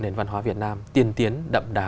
nền văn hóa việt nam tiên tiến đậm đà